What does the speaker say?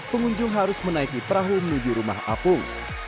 pengunjung harus menaiki perahu menuju rumah apung